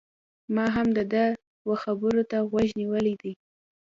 ما هم د ده و خبرو ته غوږ نيولی دی